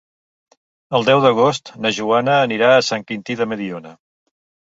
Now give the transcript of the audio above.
El deu d'agost na Joana anirà a Sant Quintí de Mediona.